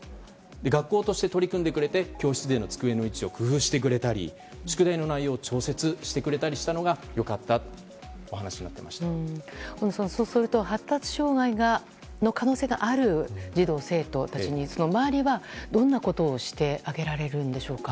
学校として取り組んでくれて教室での机の位置を工夫してくれたり宿題の内容を調節してくれたりしたのが良かったと小野さん、そうすると発達障害の可能性がある児童・生徒たちに周りはどんなことをしてあげられるんでしょうか。